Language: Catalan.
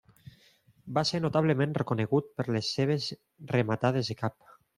Va ser notablement reconegut per les seves rematades de cap.